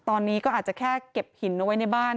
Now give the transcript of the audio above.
ตอนนี้ก็อาจจะแค่เก็บหินเอาไว้ในบ้าน